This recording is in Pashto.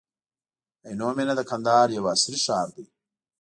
عینو مېنه د کندهار یو عصري ښار دی.